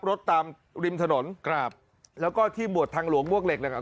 รถตามริมถนนครับแล้วก็ที่หมวดทางหลวงมวกเหล็กนะครับ